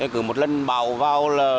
cứ một lần bảo vào